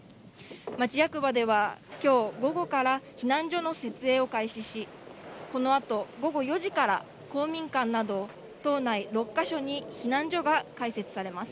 町役場ではきょう、午後から避難所の設営を開始し、このあと午後４時から、公民館など島内６か所に避難所が開設されます。